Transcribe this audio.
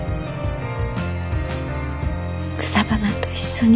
草花と一緒に。